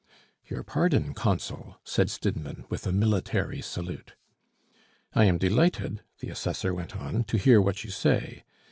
"Your pardon, Consul!" said Stidmann, with a military salute. "I am delighted," the Assessor went on, "to hear what you say.